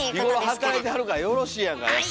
日頃働いてはるからよろしいやんか休んでも。